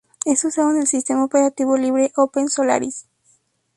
Es usado en el sistema operativo libre OpenSolaris.